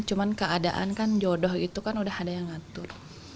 cuma keadaan kan jodoh itu kan udah ada yang ngatur